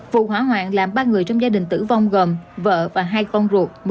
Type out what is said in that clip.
vụ hỏa hoạn làm ba người trong gia đình tử vong gồm vợ và hai con ruột